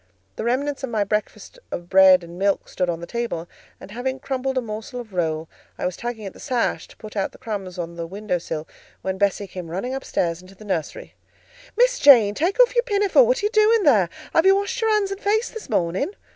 The remains of my breakfast of bread and milk stood on the table, and having crumbled a morsel of roll, I was tugging at the sash to put out the crumbs on the window sill, when Bessie came running upstairs into the nursery. "Miss Jane, take off your pinafore; what are you doing there? Have you washed your hands and face this morning?"